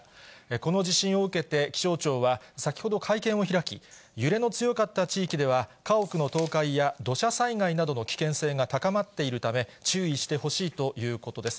この地震を受けて、気象庁は先ほど会見を開き、揺れの強かった地域では、家屋の倒壊や土砂災害などの危険性が高まっているため、注意してほしいということです。